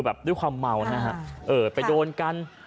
แบบด้วยความเมานะฮะเออไปโดนกัน